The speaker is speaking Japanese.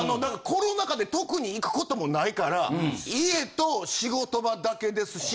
コロナ禍で特に行くこともないから家と仕事場だけですし。